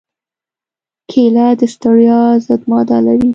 کېله د ستړیا ضد ماده لري.